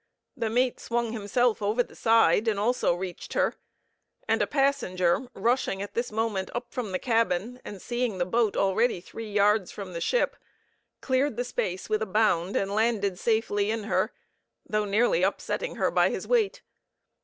The mate swung himself over the side, and also reached her; and a passenger rushing at this moment up from the cabin and seeing the boat already three yards from the ship, cleared the space with a bound and landed safely in her, though nearly upsetting her by his weight.